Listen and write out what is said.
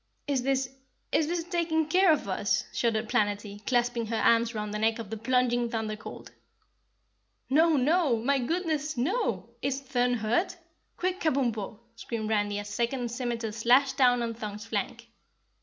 "Is this is this taking care of us?" shuddered Planetty, clasping her arms round the neck of the plunging Thunder Colt. "No, no! My goodness, NO! Is Thun hurt? Quick, Kabumpo!" screamed Randy as a second scimiter slashed down on Thun's flank.